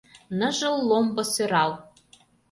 Ныжыл ломбо сӧрал.